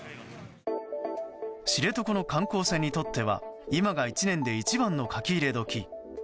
知床の観光船にとっては今が１年で一番の書き入れ時。